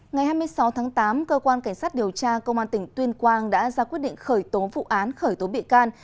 ngày hai mươi sáu tháng tám cơ quan cảnh sát điều tra công an tỉnh tuyên quang đã ra quyết định khởi tố vụ án khởi tố bị can